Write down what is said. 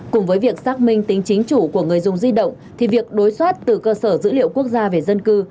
cùng với việc xác minh tính chính chủ của người dùng di động thì việc đối soát từ cơ sở dữ liệu quốc gia về dân cư